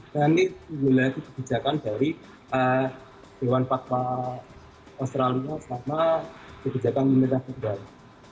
dan ini melalui kebijakan dari dewan pakuah australia sama kebijakan pemerintah negara